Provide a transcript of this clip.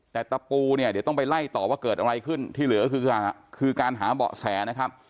แต่ตะปูเนี่ยเดี๋ยวต้องไปไล่ต่อว่าเกิดอะไรขึ้นที่เหลือก็คือการหาเบาะแสนะครับ